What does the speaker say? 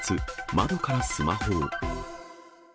窓からスマホを。